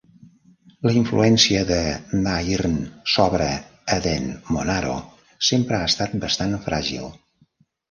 La influència de Nairn sobre Eden-Monaro sempre ha estat bastant fràgil.